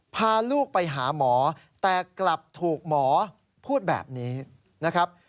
พาลูกไปหาหมอแต่กลับถูกหมอพูดแบบนี้นะครับ